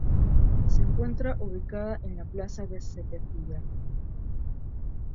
Se encuentra ubicada en la Plaza de Setefilla.